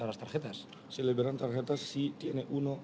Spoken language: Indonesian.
mereka tidak menyebutkan seperti itu